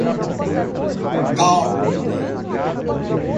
Calmon